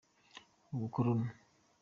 ubukoloni.